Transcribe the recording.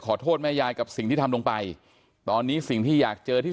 แม่ยายกับสิ่งที่ทำลงไปตอนนี้สิ่งที่อยากเจอที่